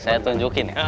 saya tunjukin ya